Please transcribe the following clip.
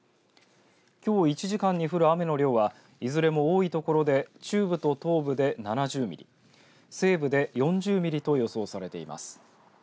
きょう１時間に降る雨の量はいずれも多い所で中部と東部で７０ミリ西部で４０ミリと予想されています。